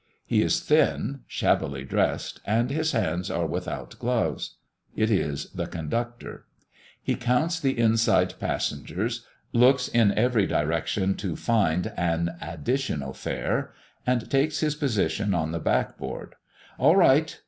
He is thin, shabbily dressed, and his hands are without gloves. It is the conductor. He counts the inside passengers, looks in every direction to find an additional "fare," and takes his position on the back board. "All right!"